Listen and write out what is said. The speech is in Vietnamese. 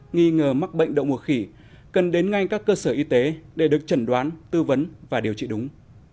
nghi ngờ mắc bệnh đậu mùa khỉ cần đến ngay các cơ sở y tế để được chẩn đoán tư vấn và điều trị đúng